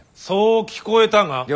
そう聞こえたが。